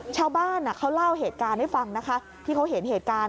ชาวบ้านเขาเล่าเหตุการณ์ให้ฟังนะคะที่เขาเห็นเหตุการณ์